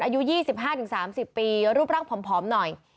อายุยี่สิบห้าถึงสามสิบปีรูปร่างผอมผอมหน่อย